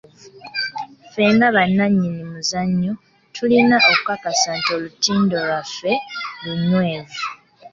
Ffe nga bannannyini muzannyo tulina okukakasa nti olutindo lwaffe lunywevu.